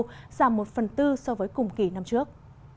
giảm một phần tư so với cùng kỳ năm trước